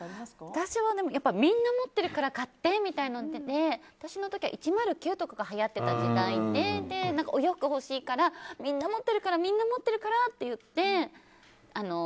私は、みんな持ってるから買ってみたいになってて私の時は１０９とかが流行ってた時代でお洋服欲しいからみんな持ってるからって言って。